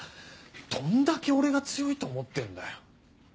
どんだけ俺が強いと思ってんだよ？